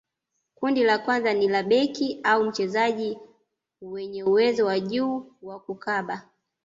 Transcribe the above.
kundi la kwanza ni la beki au wachezaji wenye uwezo wa juu wa kukaba